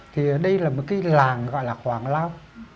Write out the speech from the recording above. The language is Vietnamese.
thì đây là một cái làng gọi là hoàng lao